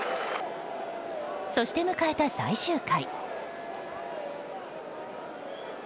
そして迎えた最終回。